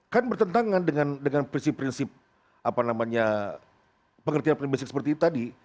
kan bertentangan dengan prinsip prinsip apa namanya pengertian prinsip seperti tadi